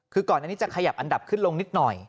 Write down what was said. คือก่อนอันนี้จะขยับอันดับขึ้นลงนิดหน่อย